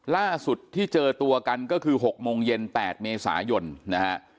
ล่าสุดที่เจอตัวกันก็คือ๖โมงเย็น๘เมษายนนะฮะ